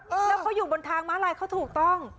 แล้วเขาอยู่บนทางม้าลายเขาถูกต้อง